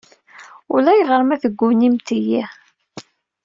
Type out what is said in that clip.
Ulayɣer ma teggunimt-iyi.